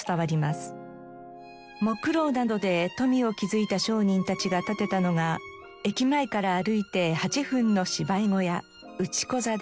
木ろうなどで富を築いた商人たちが建てたのが駅前から歩いて８分の芝居小屋内子座です。